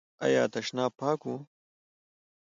ایا تشناب پاک و؟